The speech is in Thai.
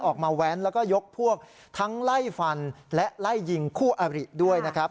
แว้นแล้วก็ยกพวกทั้งไล่ฟันและไล่ยิงคู่อริด้วยนะครับ